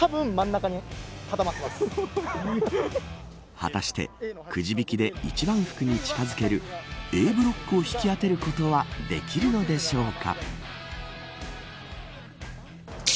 果たしてくじ引きで一番福に近づけるＡブロックを引き当てることはできるのでしょうか。